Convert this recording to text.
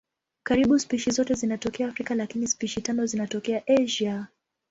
Karibu spishi zote zinatokea Afrika lakini spishi tano zinatokea Asia.